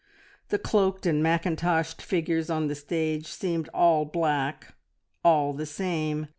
The cloaked and mackintoshed figures on the stage seemed all black, all the same.